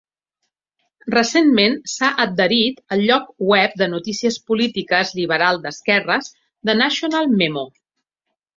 Recentment s'ha adherit al lloc web de notícies polítiques liberal d'esquerres The National Memo.